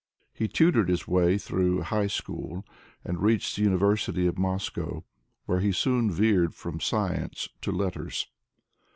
He tutored his way through high school, and reached the University of Moscow, where he soon veered from science to letters.